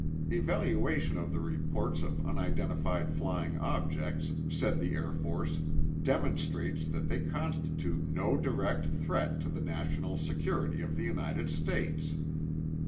Evaluation of the reports of unidentified flying objects, said the Air Force, demonstrates that they constitute no direct threat to the national security of the United States.